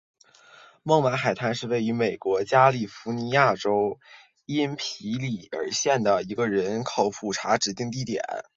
孟买海滩是位于美国加利福尼亚州因皮里尔县的一个人口普查指定地区。